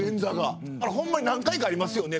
ホンマに何回かありますよね。